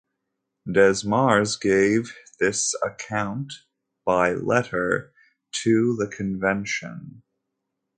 Desmarres gave this account, by letter, to the Convention.